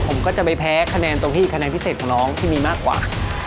ผมก็จะไปแพ้คะแนนตรงที่คะแนนพิเศษของน้องที่มีมากกว่า